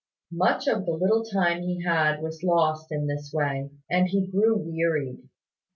Much of the little time he had was lost in this way, and he grew wearied.